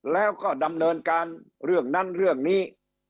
แล้วก็ดำเนินการเรื่องนั้นเรื่องนี้